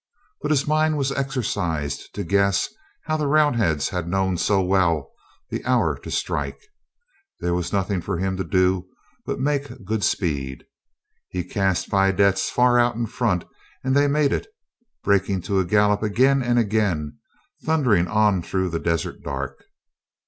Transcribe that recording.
But his mind was exercised to g^ess how the Round heads had known so well the hour to strike. There was nothing for him to do but make good speed. He AT BABLOCKHITHE 253 cast vedettes far out in front, and they made it, breaking to a gallop again and again, thundering on through the desert dark.